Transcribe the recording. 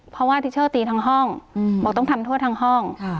เพราะว่าทิเชอร์ตีทั้งห้องบอกต้องทำโทษทั้งห้อง